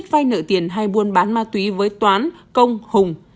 hiền hay buôn bán ma túy với toán công hùng